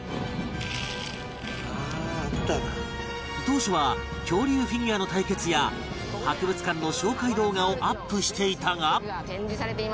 当初は恐竜フィギュアの対決や博物館の紹介動画をアップしていたが